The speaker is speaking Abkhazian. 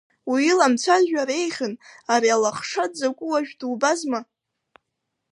Уиламцәажәар еиӷьын, ари алахша дзакәу уажәы дубазма?